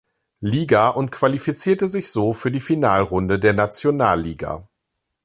Liga und qualifizierte sich so für die Finalrunde der Nationalliga.